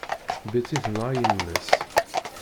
Betty tenɣa yemma-s.